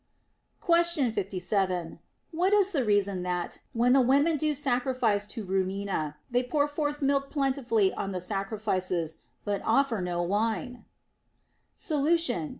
Question 57. What is the reason that, when the women do sacrifice to Rumina, they pour forth milk plentifully on the sacrifices, but offer no wine % Solution.